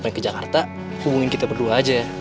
pengen ke jakarta hubungin kita berdua aja